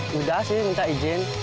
sudah sih minta izin